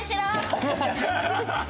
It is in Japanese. ハハハハ！